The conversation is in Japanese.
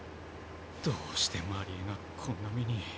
どうして真理恵がこんな目に。